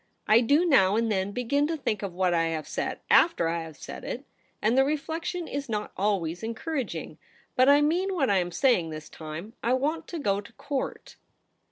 I do now and then begin to think of what I have said after I have said it, and the reflection is not always encouraging. But I mean what I am saying this time ; I want to go to Court.'